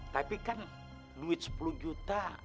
tapi kan duit sepuluh juta